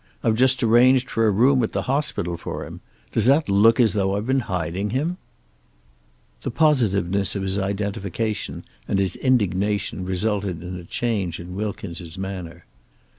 I've just arranged for a room at the hospital for him. Does that look as though I've been hiding him?" The positiveness of his identification and his indignation resulted in a change in Wilkins' manner.